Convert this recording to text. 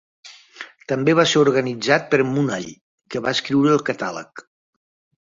També va ser organitzat per Munhall, que va escriure el catàleg.